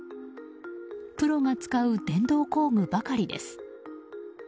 プロが使う電動工具ばかりです。